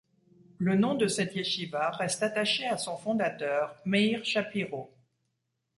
Le nom de cette yeshiva reste attaché à son fondateur, Meir Shapiro.